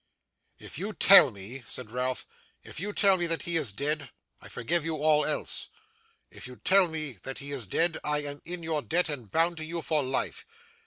'If you tell me,' said Ralph; 'if you tell me that he is dead, I forgive you all else. If you tell me that he is dead, I am in your debt and bound to you for life.